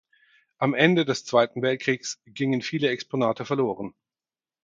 Am Ende des Zweiten Weltkriegs gingen viele Exponate verloren.